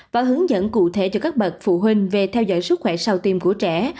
và hướng dẫn cụ thể cho các bậc phụ huynh về theo dõi sức khỏe sau tim của trẻ